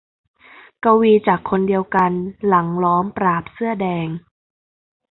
กวีจากคนเดียวกันหลังล้อมปราบเสื้อแดง